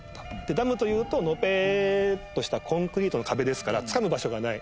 ダムというとのぺーっとしたコンクリートの壁ですからつかむ場所がない。